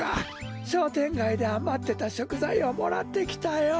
しょうてんがいであまってたしょくざいをもらってきたよ。